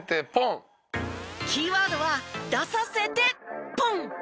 キーワードは出させてポン！